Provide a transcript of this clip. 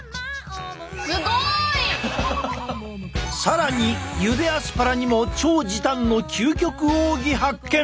更にゆでアスパラにも超時短の究極奥義発見！